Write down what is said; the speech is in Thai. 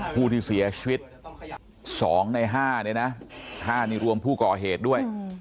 ผู้ที่เสียชีวิต๒ใน๕เนี่ยนะ๕นี่รวมผู้ก่อเหตุด้วย